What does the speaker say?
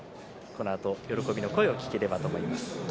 喜びの声を聞ければと思います。